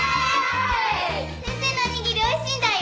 先生のおにぎりおいしいんだよ！